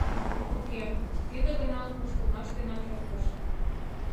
Уке, тиде ганалан воштылмаш денак эртыш.